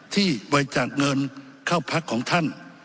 ที่บริจาคเงินเข้าพักของท่าน